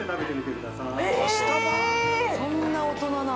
◆そんな大人な。